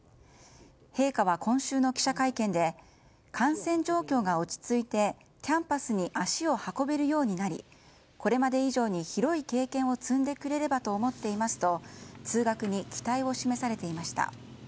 陛下は今週の記者会見で感染状況が落ち着いてキャンパスに足を運べるようになりこれまで以上に広い経験を積んでくれればと思っていますと通学に期待を示されています。